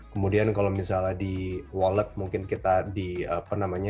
kemudian kalau misalnya di wallet mungkin kita di apa namanya